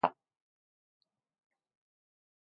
様子を見に来たら、このありさまでした。